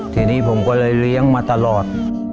ทีนี้ผมก็เลยเลี้ยงมาตลอด